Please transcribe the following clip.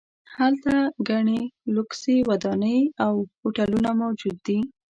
هلته ګڼې لوکسې ودانۍ او هوټلونه موجود دي.